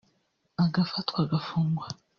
agafatwa agafungwa